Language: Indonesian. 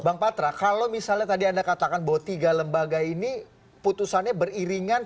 bang patra kalau misalnya tadi anda katakan bahwa tiga lembaga ini putusannya beriringan